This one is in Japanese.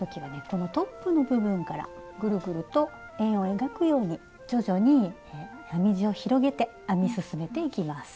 このトップの部分からグルグルと円を描くように徐々に編み地を広げて編み進めていきます。